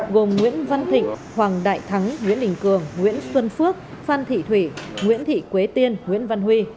gồm nguyễn văn thịnh hoàng đại thắng nguyễn đình cường nguyễn xuân phước phan thị thủy nguyễn thị quế tiên nguyễn văn huy